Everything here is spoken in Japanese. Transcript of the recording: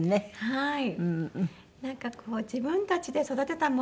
はい。